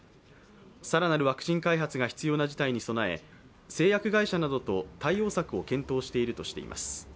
更なるワクチン開発が必要な事態に備え、製薬会社などと対応策を検討しているとしています。